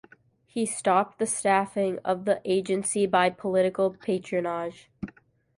He stopped the staffing of the agency by political patronage.